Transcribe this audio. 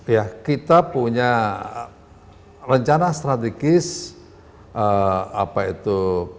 ya kita punya rencana strategis apa itu